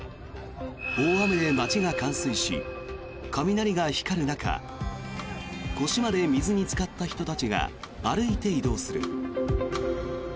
大雨で街が冠水し雷が光る中腰まで水につかった人たちが歩いて移動する。